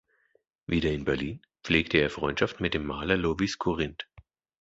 Wieder in Berlin, pflegte er Freundschaft mit dem Maler Lovis Corinth.